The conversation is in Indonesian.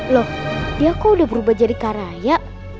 loh dia kok udah berubah jadi karya